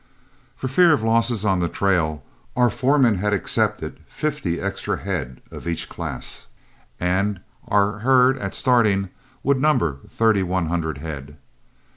For fear of losses on the trail, our foreman had accepted fifty extra head of each class, and our herd at starting would number thirty one hundred head.